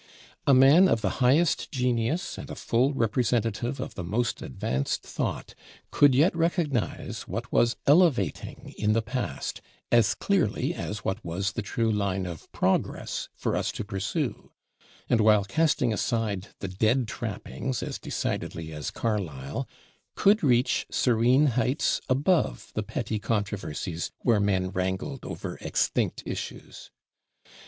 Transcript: A man of the highest genius and a full representative of the most advanced thought could yet recognize what was elevating in the past as clearly as what was the true line of progress for us to pursue; and while casting aside the dead trappings as decidedly as Carlyle, could reach serene heights above the petty controversies where men wrangled over extinct issues.